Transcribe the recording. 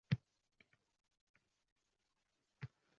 U sadoqatini koʻrib hayratga tushdi.